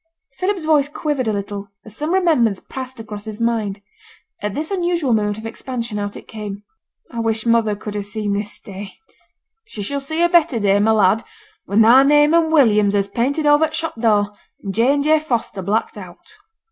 Philip's voice quivered a little, as some remembrance passed across his mind; at this unusual moment of expansion out it came. 'I wish mother could ha' seen this day.' 'She shall see a better day, my lad, when thy name and William's is painted over t' shop door, and J. and J. Foster blacked out.'